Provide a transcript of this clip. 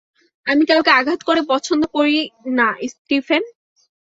আমি কাউকে আঘাত করতে পছন্দ করি না, স্টিফেন।